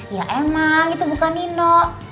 ya emang itu bukan nino tapi kan itu suami kamu